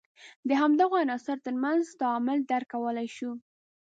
د همدغو عناصر تر منځ تعامل درک کولای شو.